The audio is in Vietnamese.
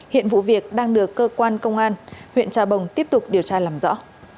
hiện vụ việc đang được cơ quan công an huyện trà bồng tiếp tục điều tra làm rõ